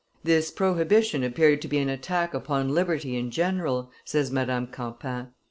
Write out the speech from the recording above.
"This prohibition appeared to be an attack upon liberty in general," says Madame Campan.